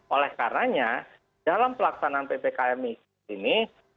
oleh karenanya dalam pelaksanaan ppkm mikro ini